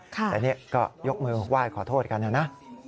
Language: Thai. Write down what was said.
แต่นี่ก็ยกเมื่อว่ายขอโทษกันนะ